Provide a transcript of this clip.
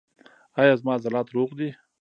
ایا زما عضلات روغ دي؟